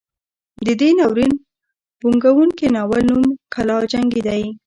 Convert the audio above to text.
د دې ناورین بوږنوونکي ناول نوم کلا جنګي دی.